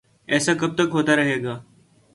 ایسا کب تک ہوتا رہے گا؟